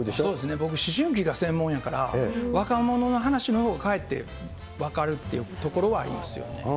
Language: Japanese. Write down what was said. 僕、思春期が専門やから、若者の話のほうがかえって分かるっていうところはありますよね。